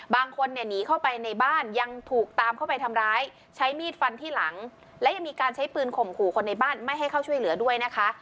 บางคนเนี่ยหนีเข้าไปในบ้านยังถูกตามเข้าไปทำร้ายใช้มีดฟันที่หลังและยังมีการใช้ปืนข่มขู่คนในบ้านไม่ให้เข้าช่วยเหลือด้วยนะคะ